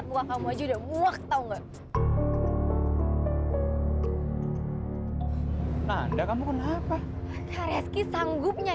sampai jumpa di video selanjutnya